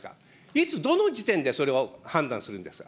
いつ、どの時点で、それを判断するんですか。